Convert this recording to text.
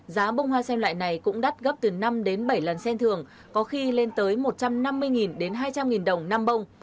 giá bông hoa sen lại này cũng đắt gấp từ năm đến bảy lần xem thường có khi lên tới một trăm năm mươi đến hai trăm linh đồng năm bông